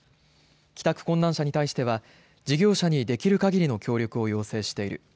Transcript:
帰宅困難者に対しては、業者にできるかぎりの協力を要請している。